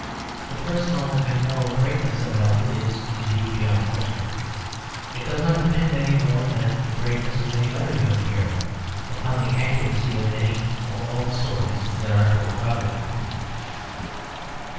The personal and moral greatness of Alfred is, indeed, beyond question. It does not depend any more than the greatness of any other human hero upon the accuracy of any or all of the stories that are told about him.